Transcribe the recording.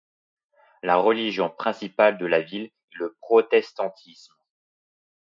La religion principale de la ville est le protestantisme.